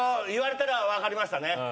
言われたら分かりましたね。